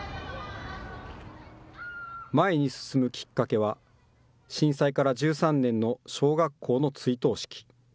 前に進むきっかけは、震災から１３年の小学校の追悼式。